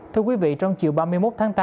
thưa quý vị trong chiều ba mươi một tháng tám